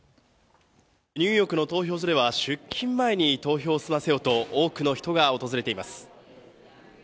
ニューヨークの投票所では、出勤前に投票を済ませようと、多くの人が訪れています。